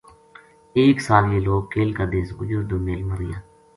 ایک سال یہ لوک کیل کا دیس گُجر دومیل ما رہیا